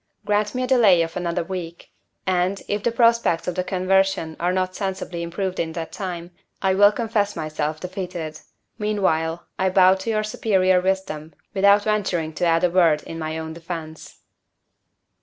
Grant me a delay of another week and, if the prospects of the conversion have not sensibly improved in that time, I will confess myself defeated. Meanwhile, I bow to superior wisdom, without venturing to add a word in my own defense.